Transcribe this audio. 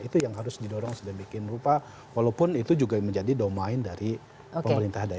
itu yang harus didorong sedemikian rupa walaupun itu juga menjadi domain dari pemerintah daerah